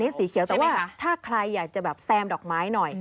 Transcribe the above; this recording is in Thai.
สีเขียวแต่ว่าถ้าใครอยากจะแบบแซมดอกไม้หน่อย